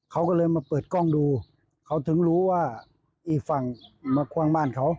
เขาก็เลยมาเปิดกล้องดูเขาถึงรู้ว่าอีกฝั่งมาคว่างบ้านเขา